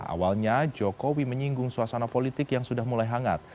awalnya jokowi menyinggung suasana politik yang sudah mulai hangat